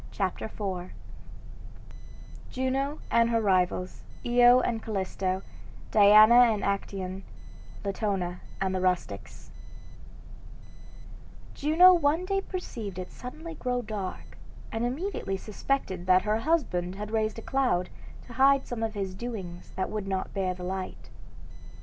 CHAPTER IV JUNO AND HER RIVALS, IO AND CALLISTO DIANA AND ACTAEON LATONA AND THE RUSTICS Juno one day perceived it suddenly grow dark, and immediately suspected that her husband had raised a cloud to hide some of his doings that would not bear the light.